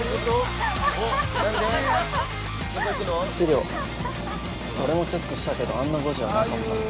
資料、俺もチェックしたけどあんな誤字はなかった。